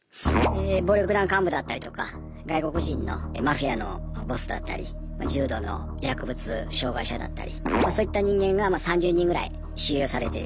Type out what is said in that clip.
暴力団幹部だったりとか外国人のマフィアのボスだったり重度の薬物障害者だったりそういった人間が３０人ぐらい収容されている。